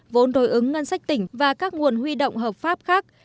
vốn đối ứng ngân sách tỉnh và các nguồn huy động hợp pháp khác